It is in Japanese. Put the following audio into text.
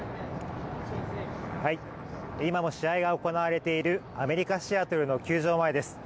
今も試合が行われているアメリカ・シアトルの球場前です。